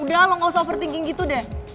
udah lo gak usah overthinking gitu deh